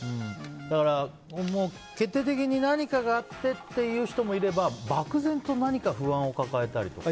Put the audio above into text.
だから、決定的に何かがあってという人もいれば漠然と何か不安を抱えたりとか。